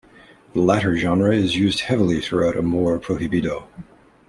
The latter genre is used heavily throughout "Amor Prohibido".